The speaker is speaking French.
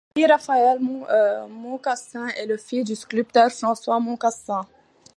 Henri-Raphaël Moncassin est le fils du sculpteur François Moncassin.